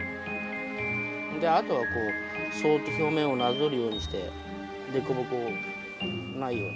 あとはそっと表面をなぞるようにして凸凹ないように。